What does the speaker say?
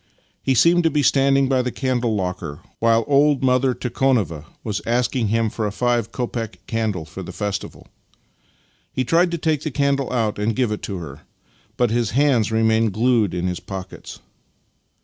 He seemed to be standing by the candle locker, while old mother Tikhonova was asking him for a five copeck ^ candle for the festival. He tried to take the candle out and give it to her, but his hands remained glued in his pockets.